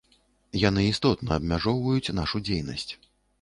Яны істотна абмяжоўваюць нашу дзейнасць.